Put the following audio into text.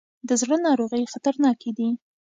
د زړه ناروغۍ خطرناکې دي.